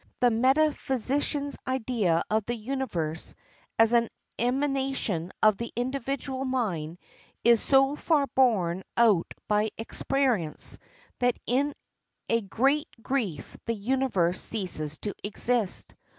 The metaphysician's idea of the universe as an emanation of the individual mind is so far borne out by experience, that in a great grief the universe ceases to exist.